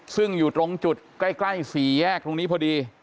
ซึ่งอยู่ตรงจุดใกล้สี่แยกตรงนี้พอดี